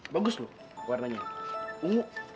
bagus loh warnanya ungu